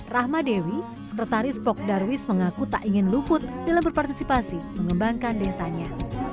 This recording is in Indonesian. rahma dewi sekretaris pok darwis mengaku tak ingin luput dalam berpartisipasi mengembangkan desanya